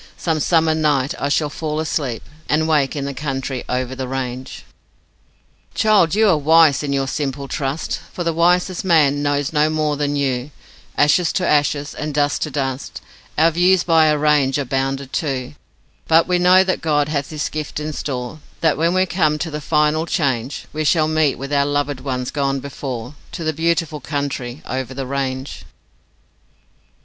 Some summer night I shall fall asleep, And wake in the country over the range.' Child, you are wise in your simple trust, For the wisest man knows no more than you Ashes to ashes, and dust to dust: Our views by a range are bounded too; But we know that God hath this gift in store, That when we come to the final change, We shall meet with our loved ones gone before To the beautiful country over the range.